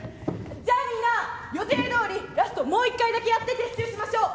じゃあみんな予定どおりラストもう一回だけやって撤収しましょう。